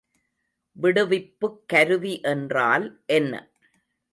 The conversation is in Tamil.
விடுவிப்புக் கருவி என்றால் என்ன?